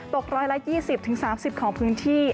ตก๑๒๐๓๐ของพื้นที่